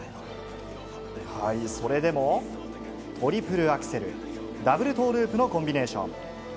それでもトリプルアクセル、ダブルトーループのコンビネーション。